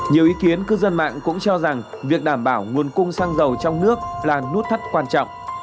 nhiều ý kiến cư dân mạng cũng cho rằng việc đảm bảo nguồn cung xăng dầu trong nước là nút thắt quan trọng